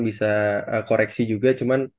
bisa koreksi juga cuman